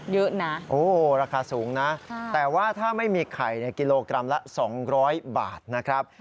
เยอะนะโอ้ราคาสูงนะแต่ว่าถ้าไม่มีไข่กิโลกรัมละ๒๐๐บาทนะครับ